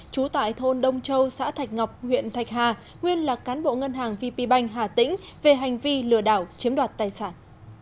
trú tại thôn đông châu xã thạch ngọc huyện thạch hà nguyên là cán bộ ngân hàng vp banh hà tĩnh về hành vi lừa đảo chiếm đoạt tài sản